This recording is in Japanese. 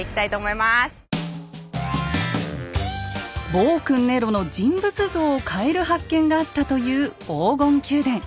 暴君ネロの人物像を変える発見があったという黄金宮殿。